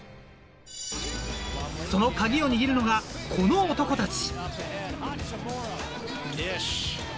そのカギを握るのがこの男たち。